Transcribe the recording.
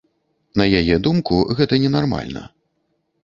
На яе думку, гэта ненармальна.